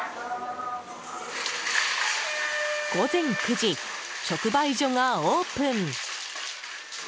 午前９時、直売所がオープン。